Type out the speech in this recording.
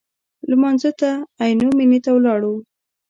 لمانځه ته عینومېنې ته ولاړو.